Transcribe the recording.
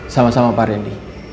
sama sama pak rendy